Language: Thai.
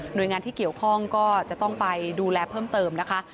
โดยงานที่เกี่ยวข้องก็จะต้องไปดูแลเพิ่มเติมนะคะ